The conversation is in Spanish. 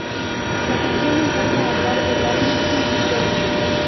La canción intenta hablar del alma-paquidermo".